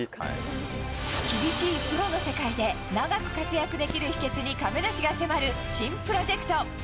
厳しいプロの世界で長く活躍できる秘けつに亀梨が迫る新プロジェクト。